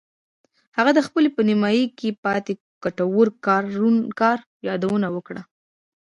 هغه د خپل په نیمایي کې پاتې ګټور کار یادونه وکړه